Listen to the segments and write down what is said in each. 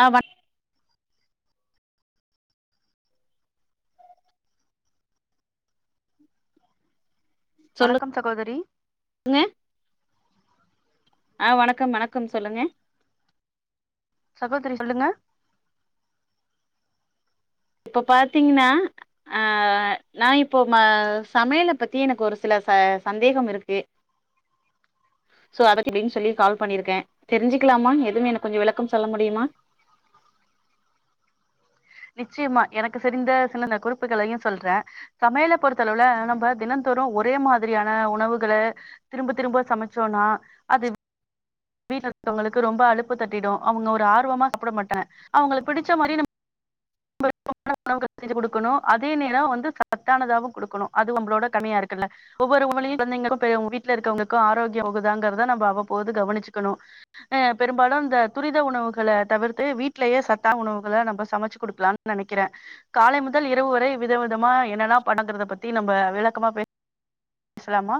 ஆ வ வணக்கம் சகோதரி ங்க ஆ வணக்கம் வணக்கம் சொல்லுங்க சகோதரி சொல்லுங்க இப்போ பாத்தீங்கன்னா ஆ நா இப்போ சமையல பத்தி எனக்கு ஒரு சில ச சந்தேகம் இருக்கு சோ [unintelligible] அப்டின்னு சொல்லி கால் பண்ணிருக்கே தெரிஞ்சுக்கலாமா எதுவு எனக்கு கொஞ்சோ விளக்கம் சொல்ல முடியுமா நிச்சயமா எனக்கு தெரிந்த சின்னன்ன குறிப்புகளையு சொல்றே சமையல பொறுத்த அளவுல நம்ப தினந்தோறு ஒரே மாதிரியான உணவுகள திரும்ப திரும்ப சமச்சோன்னா அது வீட்ல இருக்கவங்களுக்கு ரொம்ப அழுப்பு தட்டிடு அவங்க ஒரு ஆர்வமா சாப்பிட மாட்டாங்க அவங்களுக்கு பிடிச்ச மாரி நம் உணவுக்ள் செஞ்சு குடுக்கணு அதே நேரோ வந்து சத்தானதாவு குடுக்கணு அது நம்மளோட கடமையா இருக்குல்ல ஒவ்வொரு [unintelligible] கொழந்தைகளு பெரியவங்களு வீட்ல இருக்கவங்கக்கு ஆரோக்கிய [unintelligible] அவ்வப்போது கவனச்சிக்கணு ஆ பெரும்பாலு இந்த துரித உணவுகள தவிர்த்து வீட்லயே சத்தா உணவுகள நம்ம சமச்சு குடுக்கலானு நெனைக்கிறே காலை முதல் இரவு வரை வித விதமா என்னென்னா பண்ணுங்கறத பத்தி நம்ம விளக்கமா பேச பேசலாமா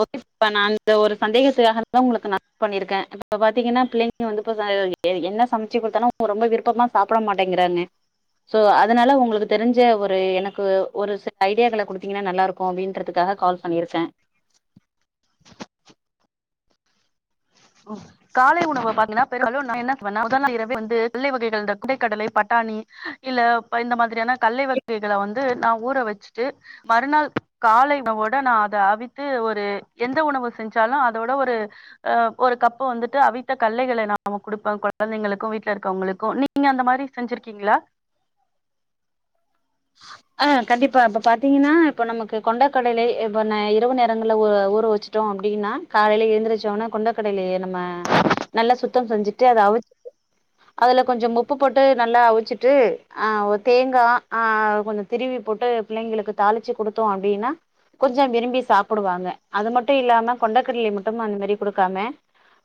ஓகே [unintelligible] நாஇந்த ஒரு சந்தேகத்துகாக தா உங்களுக்கு நா [unintelligible] பண்ணியிருக்கே இப்ப பாத்தீங்கன்னா பிள்ளிங்க ங்க வந்து இப்ப என்ன சமச்சு குடுத்தாலும் ரொம்ப விருப்பமா சாப்பிட மாட்டேங்கிறாங்க சோ அதனால உங்களுக்கு தெரிஞ்ச ஒரு எனக்கு ஒரு சில ஐடியாக்கள குடுத்தீங்கன்னா நல்லா இருக்கு அப்பிடின்றதுக்காக கால் பண்ணியிருக்கே ஓ காலை உணவு பாத்தீங்கன்னா பெரும்பாலு நா என்ன பண்ண மொதல் நாள் இரவே வந்து பிள்ளை வகைகள் இந்த கொண்டைக்கடலை பட்டாணி இல்ல இந்த மாதிரியான கல்லை வகைகள வந்து நா ஊற வச்சுட்டு மறுநாள் காலை உணவோட நா அத அவித்து ஒரு எந்த உணவு செஞ்சாலு அதோட ஒரு ஆ ஒரு கப்பு வந்துட்டு அவித்த கல்லைகள நா குடுப்பே கொழந்தைங்களுக்கு வீட்லருக்கவங்களுக்கு நீங்க அந்த மாரி செஞ்சுரு க்கீங்ளா ச ஆ கண்டிப்பா இப்ப பாத்தீங்கன்னா இப்போ நமக்கு கொண்டக்கடலை இப்ப நை இரவு நேரங்கள்ல ஊ ஊற வச்சு ட்டோ அப்டின்னா காலைல எழ்ந்திரிச்சோன கொண்டக்கடலைய நம்ம நல்லா சுத்தம் செஞ்சிட்டு அத அவுச்சிட்டு அதுல கொஞ்சம் உப்பு போட்டு நல்லா அவுச்சிட்டு ஆ ஒ தேங்கா ஆ கொஞ்சொ திருவி போட்டு பிள்ளைங்ளுக்கு தாளிச்சு குடுத்தோ அப்டின்னா கொஞ்சம் விரும்பி சாப்புடுவாங்க அது மட்டு இல்லாம கொண்டக்கட்லய மட்டும் அந் மாரி குடுக்காம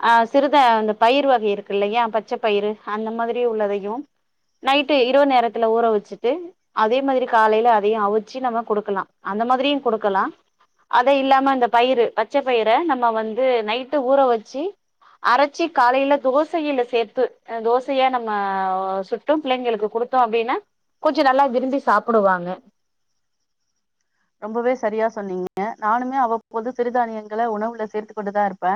ஆ சிறுதா அந்த பயிற் வகை இருக்கு இல்லயா பச்ச பயிறு அந்த மாதிரி உள்ளதயு நைட்டு இரவு நேரத்துல ஊற வச்சுட்டு அதே மாதிரி காலைல அதயு அவிச்சு நம்ம குடுக்கலா அந்த மாதிரியு குடுக்கலா அதே இல்லாம இந்த பயிறு பச்ச பயிற நம்ம வந்து நைட்டு ஊற வச்சு அரச்சி காலைல தோசயில சேத்து தோசயா நம்ம சு ட்டு பிள்ளைங்களுக்கு குடுத்தோ அப்டின்னா கொஞ்சொ நல்லா விரும்பி சாப்புடுவாங்க ரொம்பவே சரியா சொன்னீங்க நானுமே அவ்வப்போது சிறுதானியங்கள உணவுல சேர்த்து கொண்டுதாருப்பே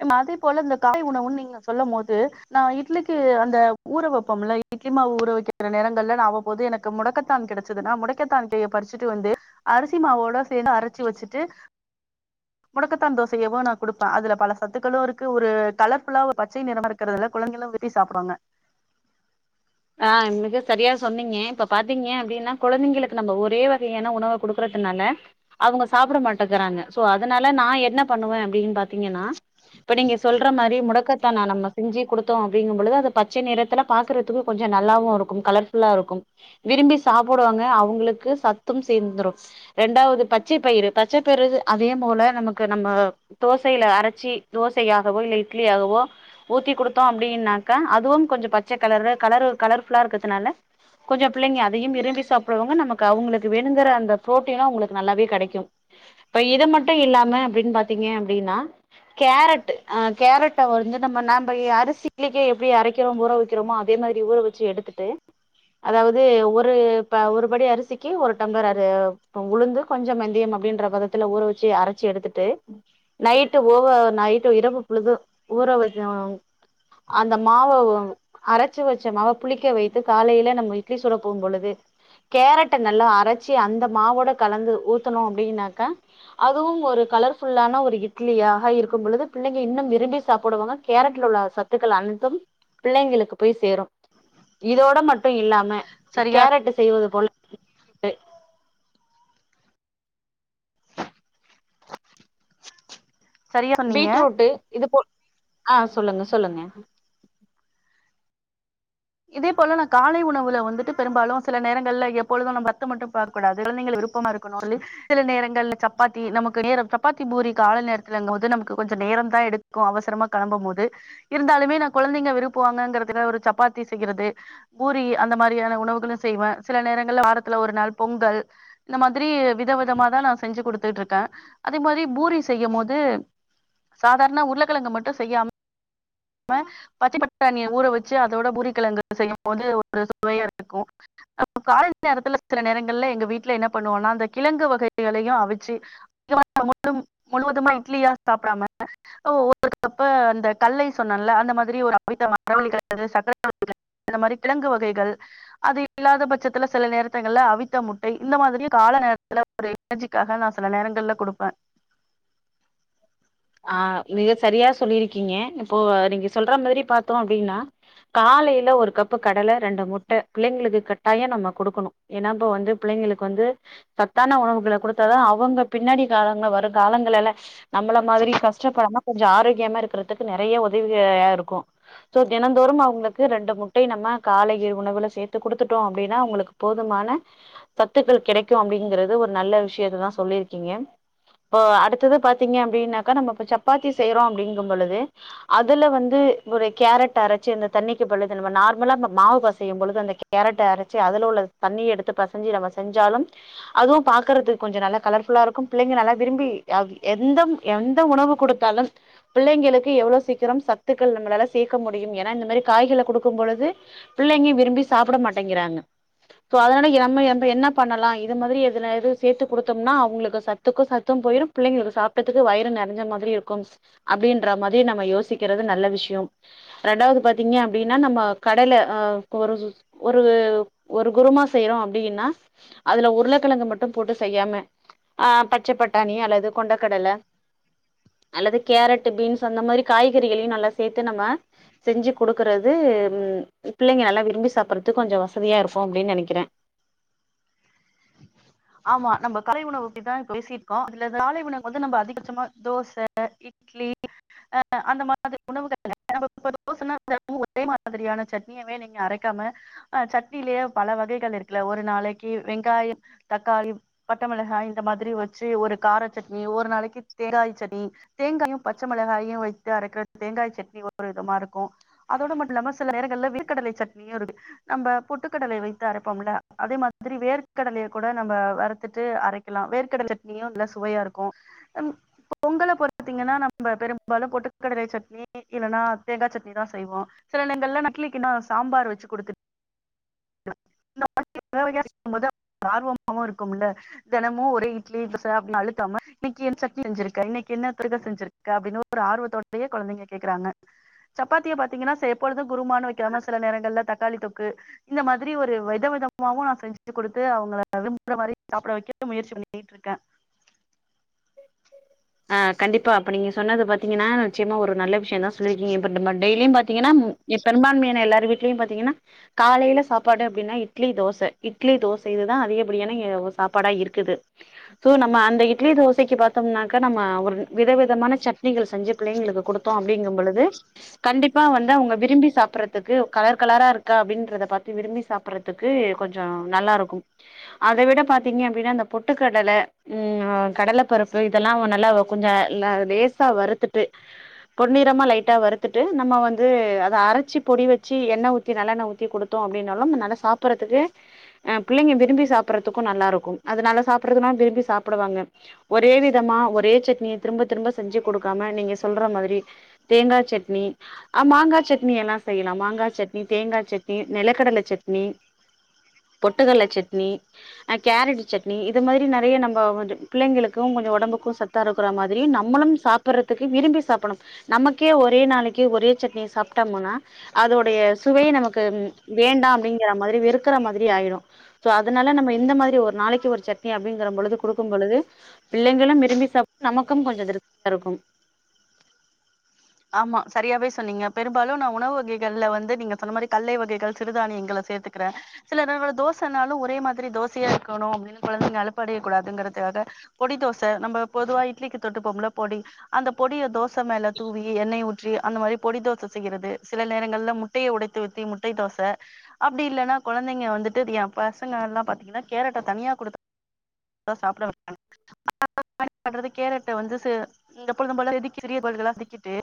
நம் அதே போல இந்த காலை உணவுன் நீங்க சொல்லம் போது நா இட்லிக்கு அந்த ஊற வப்போம்ல இட்லி மாவு ஊற வைக்கிற நேரங்கள்ல நா அவ்வப்போது எனக்கு முடக்கத்தான் கெடச்சதுன்னா முடக்கத்தான் எலைய பறிச்சுட்டு வந்து அரிசி மாவோட சேத்து அரச்சு வச்சுட்டு [inaudible] முடக்கத்தான் தோசயாவு நா குடுப்பே அதுல பல சத்துக்களு இருக்கு ஒரு கலர்ஃபுல்லா ஒரு பச்சை நிறமாரு க்றதுல கொழந்தைகளு விரும்பி சாப்டுவாங்க ஆ மிக சரியா சொன்னீங்க இப்ப பாத்தீங்க அப்டின்னா கொழந்தைங்களுக்கு நம்ம ஒரே வகையான உணவ குடுக்கற்துனால அவுங்க சாப்புட மாட்டக்றாங்க ஸோ அதனால நா என்ன பண்ணுவே அப்டின் பாத்தீங்கன்னா இப்ப நீங்க சொல்ற மாரி முடக்கத்தான நம்ம செஞ்சு குடுத்தோ அப்டிங்கம்பொழுது அது பச்சை நிறத்துல பாக்குறதுக்கு கொஞ்சொ நல்லாவு இருக்கும் கலர்ஃபுல்லாருக்கும் விரும்பி சாப்புடுவாங்க அவுங்களுக்கு சத்தும் சேர்ந்துரும் ரெண்டாவ்து பச்சை பயிறு பச்ச பயிறுது அதே போல நமக்கு நம்ம தோசைல அரைச்சு தோசயாகவோ இல்ல இட்லியாகவோ ஊத்தி குடுத்தோ அப்டின்னாக்க அதுவும் கொஞ்ச பச்ச கலர்ல கலரு கலர்ஃபுல்லா இருக்கத்துனால கொஞ்சோ புள்ளைங்க அதயும் விரும்பி சாப்டுவாங்க நமக்கு அவுங்களுக்கு வேணுங்ற அந்த ப்ரோட்டினு அவுங்ளுக்கு நல்லாவே கெடைக்கும் இப்ப இது மட்டு இல்லாம அப்டின் பாத்தீங்க அப்டின்னா கேரெட்டு ஆ கேரெட்ட வந்து நம்ம நம்ப அரிசி லிக்கே எப்டி அரைக்கிறோம் ஊற வக்கிறோமோ அதே மாதிரி ஊற வச்சு எடுத்துட்டு அதாவ்து ஒரு ப ஒரு படி அரிசிக்கி ஒரு டம்ளர் அரு உளுந்து கொஞ்சம் வெந்தயம் அப்டின்ற பதத்துல ஊற வச்சு அரச்சு எடுத்துட்டு நைட்டு ஓவ நைட்டு இரவு பொழுது ஊற வச்ச அந்த மாவ அர ச்சு வச்ச மாவ புளிக்க வைத்து காலைல நம்ம இட்லி சுட போம்பொழுது கேரெட்ட நல்லா அரச்சி அந்த மாவோட கலந்து ஊத்துனோ அப்டின்னாக்கா அதுவும் ஒரு கலர்ஃபுல்லான ஒரு இட்லியாக இருக்கும் பொழுது பிள்ளைங்க இன்னும் விரும்பி சாப்பிடுவாங்க கேரட்ல உள்ள சத்துக்கள் அன்த்தும் பிள்ளைங்களுக்கு போய் சேரும் இதோட மட்டு இல்லாம சரியா கேரட்டு செய்வது போல சரியா சொன்னீங்க பீட்ரூட்டு இது போல் ஆ சொல்லுங்க சொல்லுங்க இதே போல நா காலை உணவுல வந்துட்டு பெரும்பாலு சில நேரங்கள்ல எப்பொழுது நம்ம பத்த மட்டு பார் க்ககூடாதுனு குழந்தைங்க விருப்பமா இருக்கணு சொல்லி சில நேரங்கள்ல சப்பாத்தி நமக்கு நேரம் சப்பாத்தி பூரி கால நேரத்துலங்க போது நமக்கு கொஞ்சோ நேரம் தா எடுக் கு அவசரமா கெளம்பு போது இருந்தாலுமே நா குழந்தைங்க விருப்புவாங்கறதுக்காக ஒரு சப்பாத்தி செய்யுறது பூரி அந்த மாரியான உணவுகளு செய்வே சில நேரங்கள்ல வாரத்துல ஒரு நாள் பொங்கல் இந்த மாதிரி வித விதமா தா நா செஞ்சு குடுத்துட்டு இருக்கே அதே மாரி பூரி செய்யு போது சாதார்ண உருளக்கெழங்கு மட்டு செய்யா ம பச்சி பட்டாணிய ஊற வச்சு அதோட பூரி கெழங்கு செய்யு போது ஒரு சுவையா இருக்கு அப்ப காலை நேரத்துல சில நேரங்கள்ல எங்க வீட்ல என்ன பண்ணுவோனா அந்த கிழங்கு வகைகளையு அவுச்சு முழு முழுவதுமா இட்லியா சாப்டாம ஒரு கப்ப அந்த கல்லை சொன்னேல அந்த மாதிரி ஒரு அவித்த மரவள்ளி கெழங்கு சக்கரவள்ளி கெழங்கு அந்த மாரி கிழங்கு வகைகள் அது இல்லாத பட்சத்துல சில நேரத்தங்கள்ல அவித்த முட்டை இந்த மாரியு கால நேரத்துல ஒரு எனர்ஜிக்காக நா சில நேரங்கள்ல குடுப்பே ஆ மிக சரியா சொல்லியிருக்கீங்க இப்போ நீங்க சொல்ற மாரி பாத்தோ அப்டீனா காலைல ஒரு கப்பு கடல ரெண்டு முட்ட பிள்ளைங்களுக்கு கட்டாயோ நம்ம குடுக்கணு ஏன்னா இப்ப வந்து பிள்ளைங்களுக்கு வந்து சத்தான உணவுகள குடுத்தாதா அவுங்க பின்னாடி காலங்கள வரு காலங்களல நம்மள மாதிரி கஷ்டப்படாம கொஞ்சோ ஆரோக்கியமா இருக்கிறதுக்கு நெறய ஒதவியா இருக்கு சோ தினந்தோறும் அவுங்களுக்கு ரெண்டு முட்டை நம்ம காலை உணவுல சேத்து குடுத்துட்டோ அப்டின்னா அவுங்களுக் போதுமான சத்துக்கள் கிடைக்கு அப்டிங்கறது ஒரு நல்ல விஷயத்ததா சொல்லியிருக்கீங்க இப்போ அடுத்தத பாத்தீங்க அப்டின்னாக்கா நம்ம இப்ப சப்பாத்தி செய்றோ அப்டிங்க பொழுது அதுல வந்து ஒரு கேரட் அரச்சு அந்த தண்ணிக்கு பொழுது நம்ம நார்மலா அந்த மாவு பெசய்யு பொழுது அந்த கேரட்ட அரச்சு அதுல உள்ள தண்ணி எடுத்து பெசஞ்சு நம்ம செஞ்சாலு அதுவு பாக்குறதுக்கு கொஞ்சோ நல்லா கலர்ஃபுல்லா இருக்கு பிள்ளைங்க நல்லா விரும்பி அது எந்த எந்த உணவு குடுத்தாலும் பிள்ளைங்களுக்கு எவ்ளோ சீக்கிரம் சத்துக்கள் நம்மளால சேக்க முடியும் ஏன்னா இந்த மாரி காய்கள குடுக்கும் பொழுது பிள்ளைங்க விரும்பி சாப்ட மாட்டேங்கிறாங்க சோ அதனால எ நம்ம நம்ப என்ன பண்ணலா இது மாரி எதுலயாது சேத்து குடுத்தோம்னா அவுங்களுக்கு சத் துக்கு சத்து போயிரு பிள்ளைளுக்கு சாப்ட்ட துக்கு வயிறு நெறஞ்ச மாதிரி இருக்கும் அப்டின்ற மாரி நம்ம யோசிக்கிறது நல்ல விஷ்யோம் ரெண்டாவுது பாத்தீங்க அப்டின்னா நம்ம கடல ஆ கொரு ஒரு ஒரு குருமா செய்றோ அப்டின்னா அதுல உருளக்கெழங்கு மட்டு போட்டு செய்யாம ஆ பச்சை பட்டாணி அல்லது கொண்டக்கடல அல்லது கேரட்டு பீன்ஸ் அந்த மாரி காய்கறிகளையு நல்லா சேத்து நம்ம செஞ்சு குடுக்குறது பிள்ளைங்க நல்லா விரும்பி சாப்புறதுக்கு கொஞ்சோ வசதியாக இருக்கு அப்டின் நெனக்கிறே ஆமா நம்ப காலை உணவு அப்டிதா பேசிருக்கோ அதுல காலை உணவு வந்து நம்ப அதிகபட்சமா தோச இட் லி அ அந்த மாதிரி உணவுகள் இப்ப தோசனா தெனமு ஒரே மாதிரியான சட்னியவே நீங்க அரைக்காம ஆ சட்னியிலயே பல வகைகள் இருக்குல ஒரு நாளைக்கு வெங்காய தக்காளி பட்டமெளகாய் இந்த மாதிரி வச்சு ஒரு கார சட்னி ஒரு நாளைக்கு தேங்காய் சட்னி தேங்காயு பச்ச மிளகாயு வைத்து அரைக்ற தேங்காய் சட்னி ஒரு விதமா இருக்கு அதோட மட்டு இல்லாம சில நேரங்கள்ல வேர்க்கடலை சட்னியு இருக்கு நம்ப பொட்டுக்கடலை வைத்து அரைப்போம்ல அதே மாதிரி வேர்க் கடலய கூட நம்ம வருத்துட்டு அரைக்கலா வேர்க்கடல சட்னியு நல்லா சுவையா இருக்கு பொங்கல பொருத்தீங்கன்னா நம்ம பெரும்பாலு பொட்டுக்கடலை சட்னி இல்லனா தேங்கா சட்னி தா செய்வோ சில நேரங்கல்ல இட்லிக்கு நா சாம்பார் வச்சு குடுத்துட் இந்த மாரி வகவகயா வைக்கும் போது ஆர்வமாவு இருக்குமுல்ல தெனமு ஒரே இட்லி தோச அப்டினு அழுத்தாம இன்னைக்கி என்ன சட்னி செஞ்சிருக்க இன்னைக்கி என்ன இப்டிதா செஞ்சுருக் க அப்டின்னு ஒரு ஆர்வத்தோடயே கொழந்தைங்க கேக்குறாங்க சப்பாத்திய பாத்தீங்கன்னா சரி எப்பொழுது குருமானு வைக்காம சில நேரங்கள்ல தக்காளி தொக்கு இந்த மாதிரி ஒரு வித விதமாவு நா செஞ்சு குடுத்து அவுங்கள விரும்புற மாரி சாப்ட வைக்க முயற்சி பண்ணி ருக்கே ஆ கண்டிப்பா அப்ப நீங்க சொன்னது பாத்தீங்கன்னா நிச்சயமா ஒரு நல்ல விஷ்யந்தா சொல்லிருக்கீங்க இப்ப டப்ப டெய்லியு பாத்திங்கன்னா இ பெரும்பான்மையான எல்லாரு வீட்லயு பாத்தீங்கன்னா காலேல சாப்பாடு அப்டினா இட்லி தோச இட்லி தோச இதுதா அதிகப்படியான எ வொ சாப்பாடா இருக்குது சோ நம்ம அந்த இட்லி தோசைக்கு பாத்தோம்னாக் க நம்ம ஒரு வித விதமான சட்னிகள் செஞ்சு பிள்ளைங்களுக்கு குடுத்தோ அப்படிங்கம் பொழுது கண்டிப்பா வந்து அவுங்க விரும்பி சாப்பற்றதுக்கு கலர் கலரா இருக்கா அப்டின்றத பாத்து விரும்பி சாப் பற்றதுக்கு கொஞ்சோ நல்லாருக்கு அத விட பாத்தீங்க அப்டினா இந்த பொட்டுக்கடல ம் கடல பருப்பு இதல்லா நல்லாவ கொஞ்ச ல லேசா வறுத்துட்டு பொன்னிரமா லைட்டா வறுத்துட்டு நம்ம வந்து அத அரச்சு பொடி வச்சு எண்ண ஊத்தி நல்லண்ண ஊத்தி குடுத் தோ அப்டின்னாலு நல்ல சாப்பற்றதுக்கு அ பிள்ளைங்க விரும்பி சாப்பற்றதுக்கு நல்லாருக்கும் அதுனால சாப்பற்றதுனா விரும்பி சாப்புடுவாங்க ஒரே வி விதமா ஒரே சட்னிய திரும்ப திரும்ப செஞ்சு குடுக்காம நீங்க சொல்ற மாரி தேங்கா சட்னி ஆ மாங்கா சட்னி எல்லா செய்யலா மாங்கா சட்னி தேங்கா சட்னி நிலக்கடல சட்னி பொட்டுக்கல்ல சட்னி ஆ கேரட்டு சட்னி இது மாரி நெறைய நம்ம கொஞ்சோ பிள்ளைங்களுக்கு கொஞ்சோ ஒடம்புக்கு சத்தா இருக்கற மாதிரி நம்மளும் சாப்பற்றதுக்கு விரும்பி சாப்பணும் நமக்கே ஒரே நாளக்கி ஒரே சட்னிய சாப்ட்டோமுனா அதோடைய சுவையே நமக்கு வேண்டா அப்டிங்கற மாரி வெறுக்குற மாதிரி ஆயிறு சோ அதுனால நம்ம இந்த மாதிரி ஒரு நாளைக்கு ஒரு சட்னி அப்டிங்கற பொழுது குடுக்கும் பொழுது பிள்ளைங்களும் விரும்பி சாப் நமக்கு கொஞ்சம் திருப்தியா இருக்கும் ஆமா சரியாவே சொன்னீங்க பெரும்பாலு நா உணவு வகைகள்ல வந்து நீங்க சொன்ன மாரி கல்லை வகைகள் சிறுதானியங்கள சேத் த்துக்குறே சில நேரோ தோசனாலு ஒரே மாதிரி தோசையா இருக்கணு அப்டினு கொழந்தைங்க அலுப்படைய கூடாதுங்கறதுக்காக பொடி தோச நம்ம பொதுவா இட்லிக்கு தொட்டுபோம்ல பொடி அந்த பொடிய தோச மேல தூவி எண்ணெய் ஊற்றி அந்த மாரி பொடி தோச செய்றது சில நேரங்கள்ல முட்டைய உடைத்து ஊத்தி முட்டை தோச அப்டி இல்லன்னா கொழந்தைங்க வந்துட்டு ஏ பசங்க எல்லா பாத்தீங்கன்னா கேரட்ட தனியா குடுத் தா சாப்ட மாட்டாங்க [inaudible] என்னா பண்றது கேரட்ட வந்து ச எப்பொழுதும் போல செதுக்கி சிரிய பல்லுகளா சிக்கிட்டு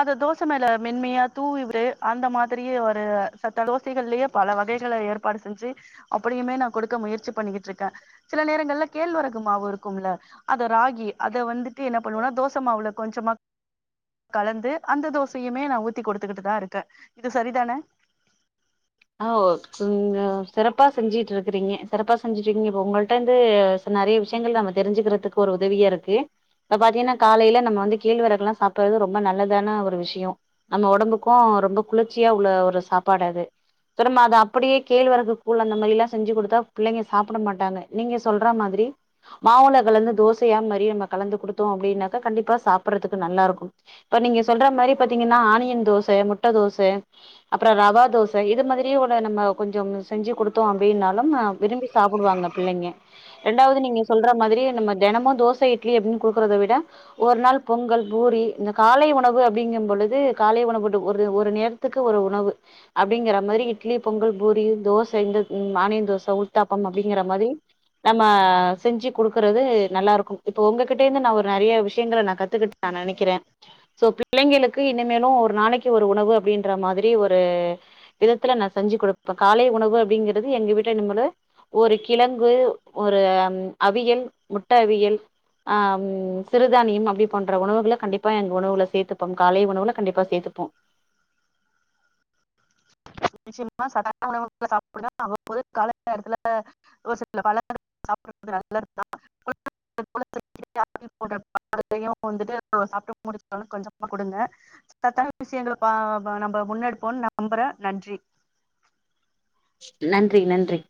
அத தோச மேல மென்மையா தூவி விட்டு அந்த மாதிரியே ஒரு சத்தா தோசைகல்லயே பல வகைகளை ஏற்பாடு செஞ்சு அப்பிடியுமே நா குடுக்க முயற்சி பண்ணிக்கிட்டு இருக்கே சில நேரங் நல்ல கேழ்வரகு மாவு இருக்குமுல்ல அத ராகி அத வந்துட்டு என்ன பண்ணுவனா தோச மாவுல கொஞ்சமா கலந்து அந்த தோசையுமே நா ஊத்தி குடுக்கிட்டு தா இருக்கே இது சரிதான ஆ சுங்க சிறப்பா செஞ்சுட்டு இருக்குறீங்க சிறப்பா செஞ்சுட்டு இருக்கீங்க இப்ப உங்கள்ட்ட இருந்து நறைய விஷயங்கள் நம்ம தெரி்ஞ்சுக்கிறதுக்கு ஒரு உதவியா இருக்கு இப்ப பாத்தீங்கனா காலைல நம்ம வந்து கேழ்வரகுலா சாப்புறது ரொம்ப நல்லதான ஒரு விஷ்யொ நம்ம ஒடம்புக்கு ரொம்ப குளிர்ச்சியா உள்ள ஒரு சாப்பாடு அது சோ நம்ம அத அப்டியே கேழ்வரகு கூழ் அந்த மாரிலா செஞ்சு குடுத்தா பிள்ளைங்க சாப்பிட மாட்டாங்க நீங்க சொல்ற மாதிரி மாவுல கலந்து தோசயா அந்த மாரி நம்ம கலந்து குடுத்தோ அப்டினாக்கா கண்டிப்பா சாப்புறதுக்கு நல்லா இருக்கு இப்ப நீங்க சொல்ற மாரி பாத்தீங்கனா ஆனியன் தோச முட்டை தோச அப்பறொ ரவா தோச இது மாதிரியே ஒரு நம்ம கொஞ்சொ செஞ்சு குடுத்தோ அப்டின்னாலும் விரும்பி சாப்டுவாங்க பிள்ளைங்க ரெண்டாவது நீங்க சொல்ற மாதிரி நம்ம தினமு தோச இட்லி அப்டின் குடுக்குறத விட ஒரு நாள் பொங்கல் பூரி இந்த காலை உணவு அப்டிங்கும் பொழுது காலை உணவு ஒரு ஒரு நேர த்துக்கு ஒரு உணவு அப்டிங்கிற மாரி இட்லி பொங்கல் பூரி தோச இந்த ஆனியன் தோச உத்தாப்பம் அப்டிங்கிற மாரி நம்ம செஞ்சு குடுக்குறது நல்லாருக்கு இப்போ உங்ககிட்டேருந்து நா ஒரு நறிய விஷயங்கல நா கத்துக்கிட்ட நா நெனைக்கிறே சோ பிள்ளைங்களுக்கு இனிமேலும் ஒரு நாளைக்கு ஒரு உணவு அப்டின்ற மாதிரி ஒரு விதத்துல நா செஞ்சு குடுப்பே காலை உணவு அப்டிங்கறது எங்க வீட்ல இனிமேலு ஒரு கிழங்கு ஒரு அவியல் முட்ட அவியல் ஆ ம் சிறுதானியம் அப்டி போன்ற உணவுகள கண்டிப்பா எங்க உணவுல சேர்த்துப்பம் காலை உணவுல கண்டிப்பா சேர்த்துப்போம் நிச்சயமா சத்தான உணவு பொருள்கள சாப்பிடுங்க அவ்வப்போது காலை நேரத்துல ஒரு சில பழங்கள் சாப்பிறது நல்லதுதா [inaudible] [unintelligible] வந்துட்டு சாப்டு முடிச்சாலு கொஞ்சமா குடுங்க சத்தான விஷயங்கள ப ப நம்ம முன்னெடுப்போம் நம்புறே நன்றி நன்றி நன்றி